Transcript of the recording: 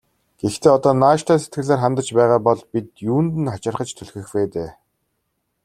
Гэхдээ одоо нааштай сэтгэлээр хандаж байгаа бол бид юунд нь хачирхаж түлхэх вэ дээ.